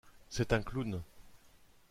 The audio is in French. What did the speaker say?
C’est un clown.